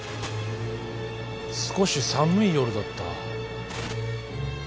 少し寒い夜だった。